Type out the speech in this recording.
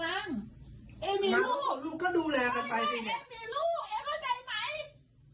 อันนี้คือความแหม่งของเอ๊ย